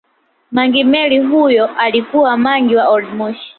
Mangi Meli huyu alikuwa mangi wa waoldmoshi